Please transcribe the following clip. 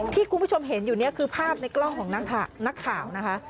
ที่คุณผู้ชมเห็นอยู่เนี่ยคือภาพในกล้องของนักข่าวนะคะ